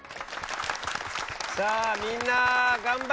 さあみんな頑張ったね！